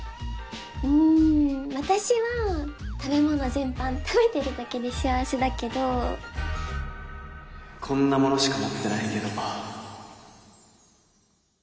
うん私は食べ物全般食べてるだけで幸せだけどこんなものしか持ってないけど